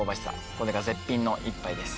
これが絶品の一杯です